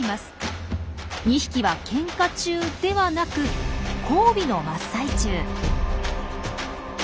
２匹はケンカ中ではなく交尾の真っ最中。